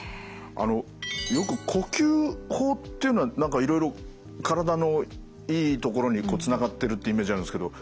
あのよく呼吸法っていうのは何かいろいろ体のいいところにつながってるってイメージあるんですけど。